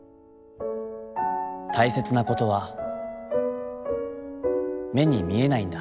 たいせつなことは、目に見えないんだ」。